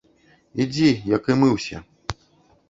- Ідзі, як і мы ўсе